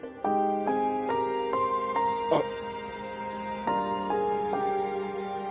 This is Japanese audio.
あっ。